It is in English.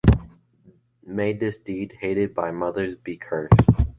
May this deed -hated by mothers- be cursed!